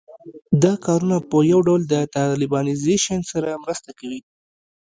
دا کارونه په یو ډول د طالبانیزېشن سره مرسته کوي